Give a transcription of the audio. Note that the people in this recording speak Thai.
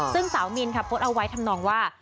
ซึ่งสาวมินค่ะโพสต์เอาไว้ทำนองว่า